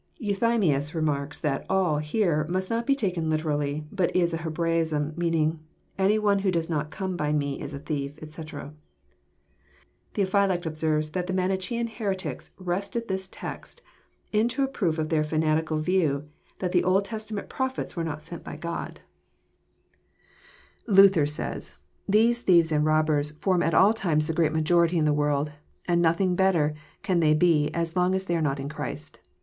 Euthymius remarks that "all" here must not be taken liter ally, but is a Hebraism meaning, " Any one who does not come by Me is a thief," etc. Theophylact observes that the Manichean heretics wrested this text into a proof of their fanatical view, that the Old Testament prophets were not sent by God 1 /•/ 186 EXPOSITORY THOUGHTS. Lnther says: *' These thieves and robbers form at all times the great majority in the world, and nothing better can they be as long as they are not in Christ.